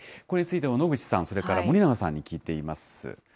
これについては野口さん、それから森永さんに聞いています。